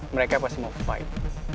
mereka pasti mau fight